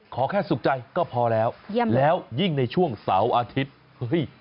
ขอแค่สุขใจก็พอแล้วแล้วยิ่งในช่วงเสาร์อาทิตย์เฮ้ย